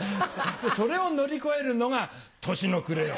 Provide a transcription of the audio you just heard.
それを乗り越えるのが年の暮れよ。